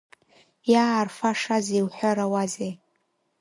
Иаарфашазеи уҳәарауазеи.